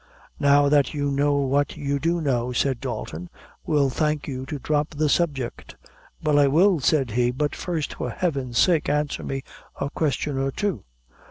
"Now that you know what you do know," said Dalton, "we'll thank you to drop the subject." "Well, I will," said he; "but first, for Heaven's sake, answer me a question or two.